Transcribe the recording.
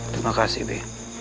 terima kasih bi